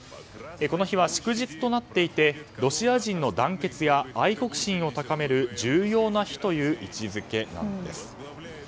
この日は祝日となっていてロシア人の団結や愛国心を高める重要な日という位置づけなんです。